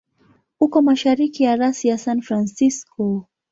Uko mashariki ya rasi ya San Francisco.